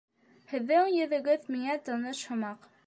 Һеҙҙең йөҙөгөҙ миңә таныш һымаҡ